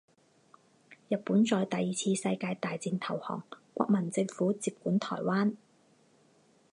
日本在第二次世界大战投降，国民政府接管台湾。